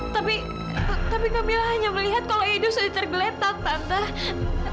tapi tapi kamila hanya melihat kalau edo sudah tergeletak tante